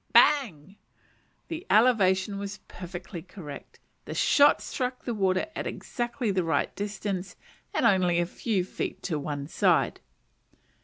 Bang! The elevation was perfectly correct. The shot struck the water at exactly the right distance, and only a few feet to one side.